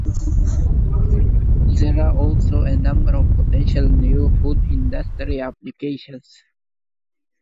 There are also a number of potential new food industry applications.